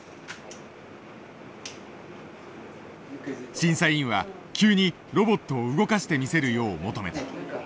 審査委員は急にロボットを動かしてみせるよう求めた。